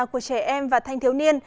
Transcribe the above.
của trẻ em và thanh thiếu niên